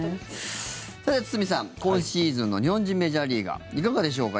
さて堤さん、今シーズンの日本人メジャーリーガーいかがでしょうか。